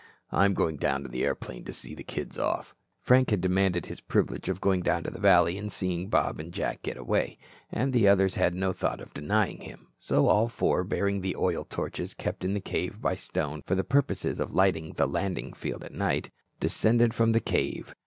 I'm going down to the airplane to see the kids off." Frank had demanded this privilege of going down to the valley and seeing Bob and Jack get away, and the others had no thought of denying him. So all four, bearing the oil torches kept in the cave by Stone for the purpose of lighting the landing field at night, descended from the cave.